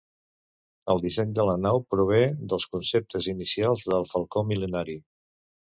El disseny de la nau prové dels conceptes inicials del "Falcó Mil·lenari".